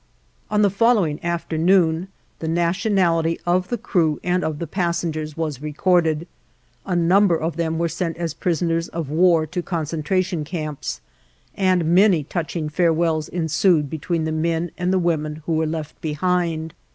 On the following afternoon the nationality of the crew and of the passengers was recorded; a number of them were sent as prisoners of war to concentration camps, and many touching farewells ensued between the men and the women who were left behind.